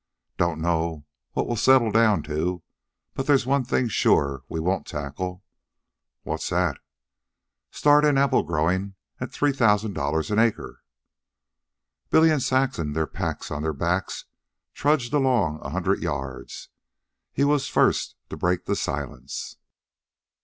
"Don't know what we'll settle down to, but there's one thing sure we won't tackle." "What's that?" "Start in apple growin' at three thousan' dollars an acre." Billy and Saxon, their packs upon the backs, trudged along a hundred yards. He was the first to break silence.